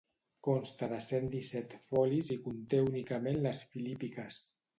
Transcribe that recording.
Consta de cent disset folis i conté únicament les Filípiques.